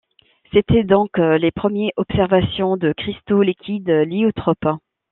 C'étaient donc les premiers observations de cristaux liquides lyotropes.